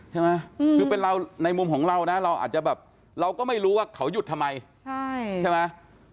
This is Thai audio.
ใช่ไหมคือเป็นเราในมุมของเรานะเราอาจจะแบบเราก็ไม่รู้ว่าเขาหยุดทำไมใช่ไหม